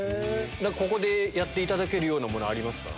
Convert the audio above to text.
ここでやっていただけるものありますか？